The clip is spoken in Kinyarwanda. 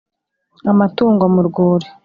amatungo mu rwuri